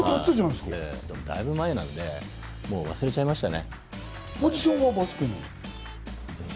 でもだいぶ前なんで、もう忘れちゃいましたね。